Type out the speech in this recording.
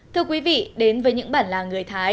thưa quý vị đến với những bản làng người thái